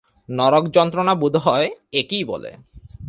নরকযন্ত্রণা বোধ হয় একেই বলে।